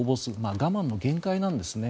我慢の限界なんですね。